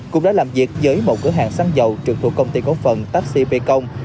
cũng đã làm việc với một cửa hàng xăng dầu trực thuộc công ty có phần taxi pekong